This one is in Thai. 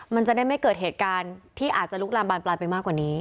มันจะได้ไม่เกิดเหตุการณ์ที่อาจจะลุกลามบานปลายไปมากกว่านี้